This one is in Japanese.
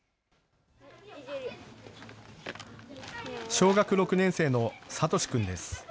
小学６年生のサトシ君です。